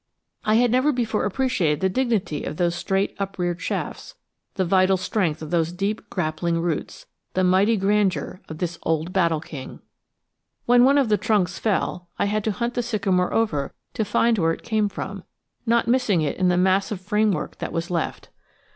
I had never before appreciated the dignity of those straight upreared shafts, the vital strength of those deep grappling roots, the mighty grandeur of this old battle king. When one of the trunks fell, I had to hunt the sycamore over to find where it came from, not missing it in the massive framework that was left.